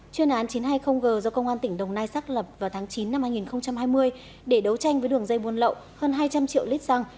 chuyên án chín trăm hai mươi g do công an tỉnh đồng nai xác lập vào tháng chín năm hai nghìn hai mươi để đấu tranh với đường dây buôn lậu hơn hai trăm linh triệu lít xăng